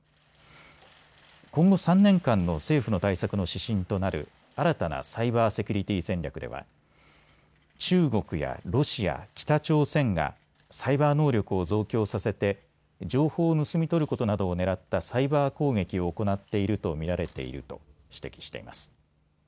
今後３年間の政府の対策の指針となる新たなサイバーセキュリティ戦略では中国やロシア、北朝鮮がサイバー能力を増強させて情報を盗み取ることなどをねらったサイバー攻撃を行っていると見られていると指摘しています。